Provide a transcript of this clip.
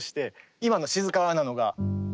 今の静かなのが。